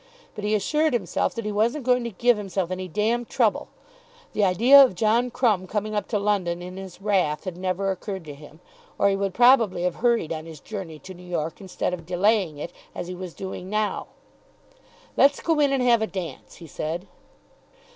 But he assured himself that he wasn't going to give himself any "d d trouble." The idea of John Crumb coming up to London in his wrath had never occurred to him, or he would probably have hurried on his journey to New York instead of delaying it, as he was doing now. "Let's go in and have a dance," he said.